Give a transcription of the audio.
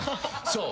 そう。